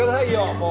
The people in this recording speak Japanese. もう。